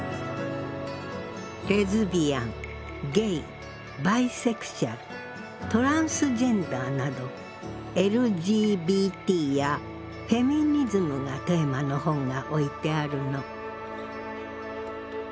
レズビアンゲイバイセクシャルトランスジェンダーなどＬＧＢＴやフェミニズムがテーマの本が置いてあるの。